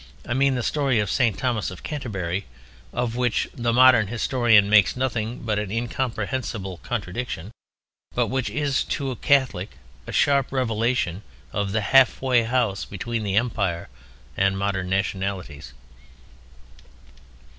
I mean the story of St. Thomas of Canterbury, of which the modern historian makes nothing but an incomprehensible contradiction; but which is to a Catholic a sharp revelation of the half way house between the Empire and modern nationalities.